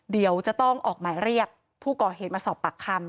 เดี๋ยวจะต้องออกหมายเรียกผู้ก่อเหตุมาสอบปากคำ